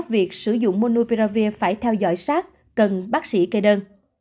việc sử dụng monopiravir phải theo dõi sát cần bác sĩ kê đơn